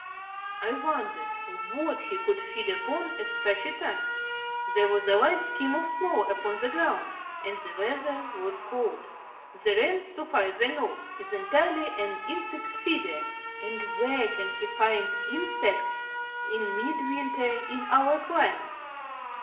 I wondered what he could feed upon at such a time. There was a light skim of snow upon the ground, and the weather was cold. The wren, so far as I know, is entirely an insect feeder, and where can he find insects in midwinter in our climate?